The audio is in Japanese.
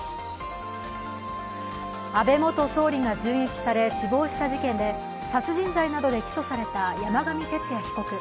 安倍元総理が銃撃され死亡した事件で殺人罪などで起訴された山上徹也被告。